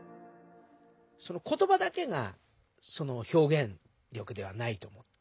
言葉だけが表現力ではないと思って。